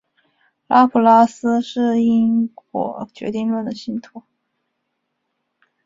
拉普拉斯是因果决定论的信徒。